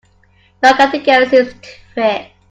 No category seems to fit.